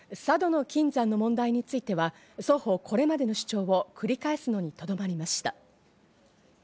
佐渡島の金山の問題については、双方、これまでの主張を繰り返すのに留まりました。